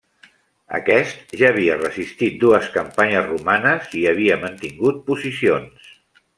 Aquest ja havia resistit dues campanyes romanes i havia mantingut posicions.